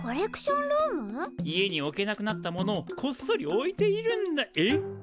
家に置けなくなったものをコッソリ置いているんだえっ？